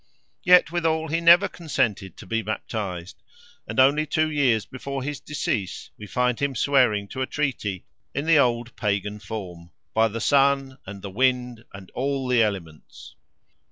Yet withal he never consented to be baptized; and only two years before his decease, we find him swearing to a treaty, in the old Pagan form—"by the Sun, and the Wind, and all the Elements."